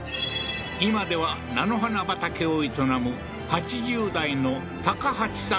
今では菜の花畑を営む８０代の高橋さん